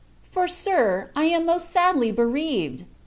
For, Sir, I am most sadly bereaved!